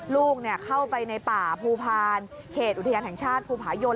ลูกเข้าไปในป่าภูพานเขตอุทยานแห่งชาติภูผายน